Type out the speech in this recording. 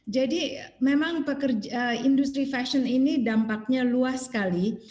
jadi memang pekerja industri fashion ini dampaknya luas sekali